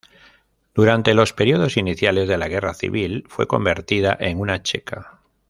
Durante los periodos iniciales de la Guerra Civil fue convertida en una checa.